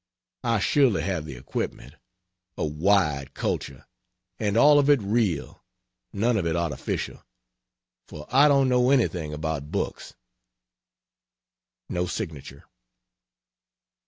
I surely have the equipment, a wide culture, and all of it real, none of it artificial, for I don't know anything about books. [No signature.